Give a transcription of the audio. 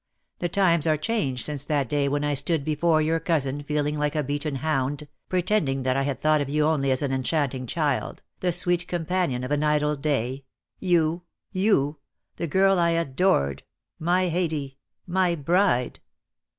The times are changed since that day when I stood before your cousin feeling like a beaten hound, pretending that I had thought of you only as an enchanting child, the sweet companion of an idle day — you — you — the girl I adored, my Haidee, my bride!